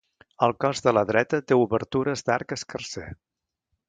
El cos de la dreta té obertures d'arc escarser.